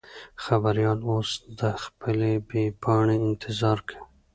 خبریال اوس د خپلې بې پاڼې انتظار کوي.